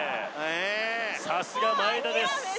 さすが真栄田です